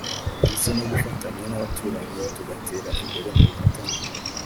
ndetse no gufatanya n’abaturanyi tugatera imbere mu bufatanye